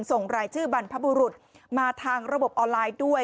ส่งรายชื่อบรรพบุรุษมาทางระบบออนไลน์ด้วย